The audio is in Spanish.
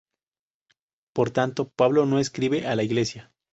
Por tanto, Pablo no escribe a la Iglesia.